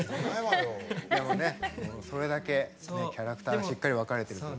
でもねそれだけキャラクターがしっかり分かれてるから。